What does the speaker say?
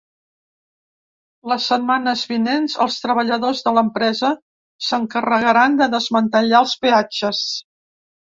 Les setmanes vinents els treballadors de l’empresa s’encarregaran de desmantellar els peatges.